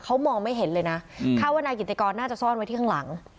เขามองไม่เห็นเลยนะคาดว่านายกิติกรน่าจะซ่อนไว้ที่ข้างหลัง